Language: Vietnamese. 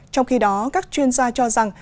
trong khi đó các chuyên gia cho rằng